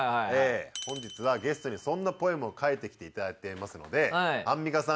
本日はゲストにそんなポエムを書いてきていただいていますので。